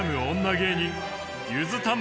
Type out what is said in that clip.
芸人ゆずたん